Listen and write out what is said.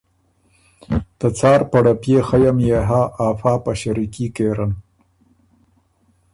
ته څاړ پړپئے خئ ام يې هۀ افا په ݭریکي کېرن۔